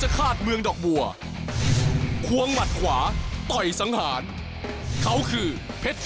ก็กันหมุด